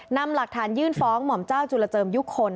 นำหลักฐานยื่นฟ้องหม่อมเจ้าจุลเจิมยุคคล